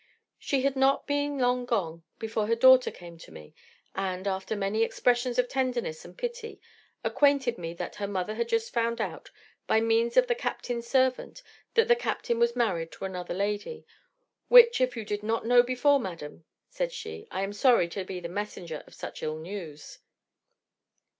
"She had not been long gone before her daughter came to me, and, after many expressions of tenderness and pity, acquainted me that her mother had just found out, by means of the captain's servant, that the captain was married to another lady; 'which, if you did not know before, madam,' said she, 'I am sorry to be the messenger of such ill news.